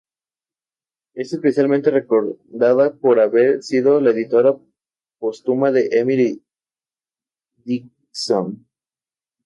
Es especialmente recordada por haber sido la editora póstuma de Emily Dickinson.